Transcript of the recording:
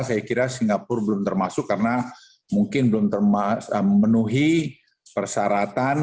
saya kira singapura belum termasuk karena mungkin belum memenuhi persyaratan